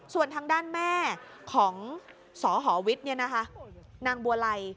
ส่วนทางด้านแม่ของสหวิทย์นางบัวไล